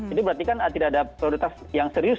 ini berarti kan tidak ada prioritas yang serius